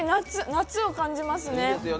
夏を感じますよね。